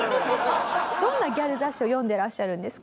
どんなギャル雑誌を読んでらっしゃるんですか？